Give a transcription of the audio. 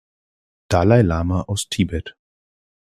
Dalai Lama aus Tibet.